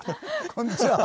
こんにちは。